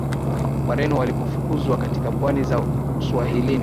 Wareno walipofukuzwa katika pwani za Uswahilini